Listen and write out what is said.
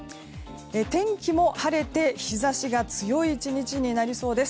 天気も晴れて日差しが強い１日になりそうです。